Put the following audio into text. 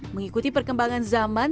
mengikuti perkembangan zaman